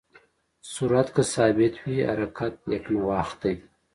سرعت که ثابت وي، حرکت یکنواخت دی.